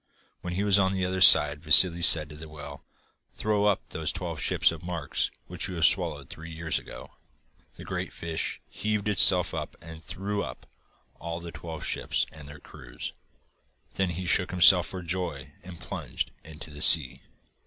When he was on the other side Vassili said to the whale: 'Throw up those twelve ships of Mark's which you swallowed three years ago.' The great fish heaved itself up and threw up all the twelve ships and their crews. Then he shook himself for joy, and plunged into the sea.